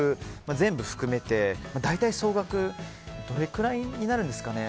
全部含めて大体総額どれくらいになるんですかね。